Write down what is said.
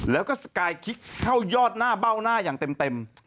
แล้วก็สกายคิกเข้ายอดหน้าเบ้าหน้าอย่างเต็ม